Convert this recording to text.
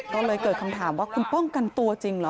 ก็เลยเกิดคำถามว่าคุณป้องกันตัวจริงเหรอ